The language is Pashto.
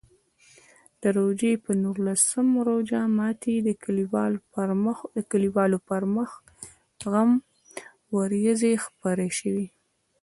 د روژې په نولسم روژه ماتي د کلیوالو پر مخ غم وریځې خپرې شوې.